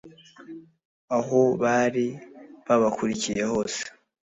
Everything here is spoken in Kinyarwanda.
aho bari babakurikiye hose